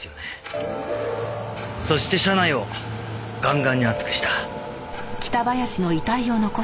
そして車内をガンガンに暑くした。